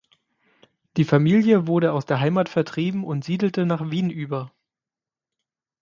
Die Familie wurde aus der Heimat vertreiben und siedelte nach Wien über.